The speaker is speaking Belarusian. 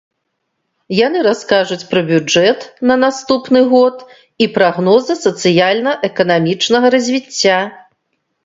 Яны раскажуць пра бюджэт на наступны год і прагнозы сацыяльна-эканамічнага развіцця.